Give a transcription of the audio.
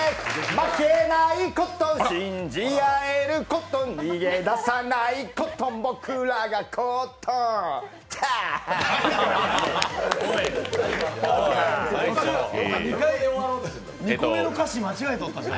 負けないこと、信じ合えること、逃げ出さないこと、僕らがコットンでーす！